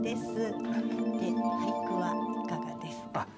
俳句はいかがですか？